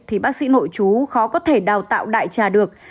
thì bác sĩ nội chú khó có thể đào tạo đại trà được